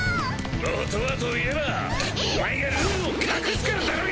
もとはといえばお前がルールを隠すからだろうが！